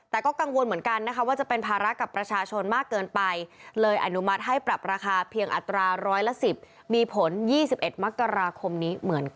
แต่ก็กังวลเหมือนกันว่าจะเป็นภาระกับประชาชนมากเกินไป